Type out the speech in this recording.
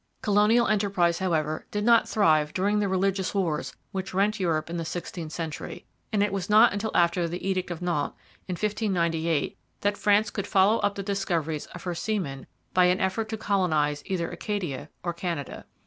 Colonial enterprise, however, did not thrive during the religious wars which rent Europe in the sixteenth century; and it was not until after the Edict of Nantes in 1598 that France could follow up the discoveries of her seamen by an effort to colonize either Acadia or Canada.